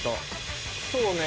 そうね。